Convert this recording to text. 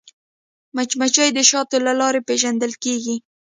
مچمچۍ د شاتو له لارې پیژندل کېږي